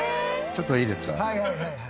「ちょっといいですか？」